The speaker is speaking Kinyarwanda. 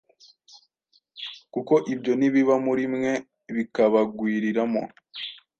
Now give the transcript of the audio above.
Kuko ibyo nibiba muri mwe bikabagwiriramo,